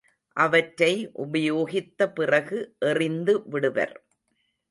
அவற்றை உபயோகித்த பிறகு எறிந்து விடுவர்.